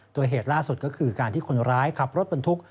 โดยเหตุล่าสุดก็คือการที่คนร้ายขับรถบรรทุก